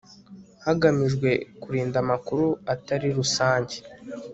hagamijwe kurinda amakuru atari rusange